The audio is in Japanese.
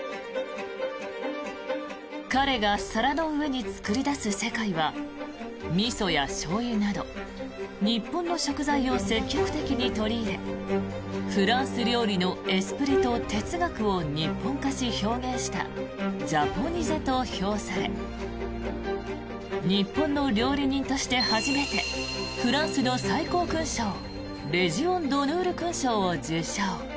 彼が皿の上に作り出す世界はみそやしょうゆなど日本の食材を積極的に取り入れフランス料理のエスプリと哲学を日本化し表現したジャポニゼと評され日本の料理人として初めてフランスの最高勲章レジオン・ドヌール勲章を受章。